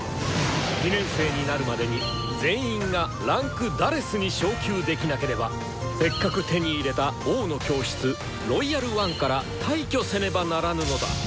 ２年生になるまでに全員が位階「４」に昇級できなければせっかく手に入れた「王の教室」「ロイヤル・ワン」から退去せねばならぬのだ！